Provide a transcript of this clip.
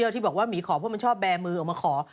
ที่บอกว่าหมีขอเพราะมันชอบแบร์มือออกมาขอ